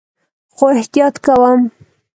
خو احتیاط کوم